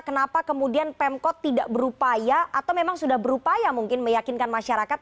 kenapa kemudian pemkot tidak berupaya atau memang sudah berupaya mungkin meyakinkan masyarakat